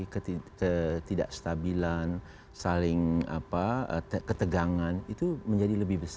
ketidakstabilan saling ketegangan itu menjadi lebih besar